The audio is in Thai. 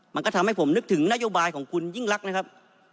มันก็ทำให้ผมนึกถึงนโยบายของคุณยิ่งรักนะครับ